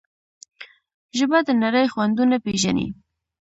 ژبه د نړۍ خوندونه پېژني.